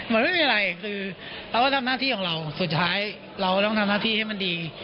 มันไม่มีอะไรคือเราก็ทำหน้าที่ของเราสุดท้ายเราก็ต้องทำหน้าที่ให้มันดี